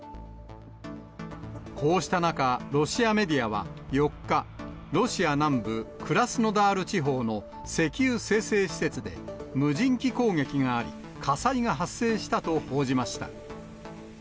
こうした中、ロシアメディアは４日、ロシア南部クラスノダール地方の石油精製施設で、無人機攻撃があり、火災が発生したと報じました。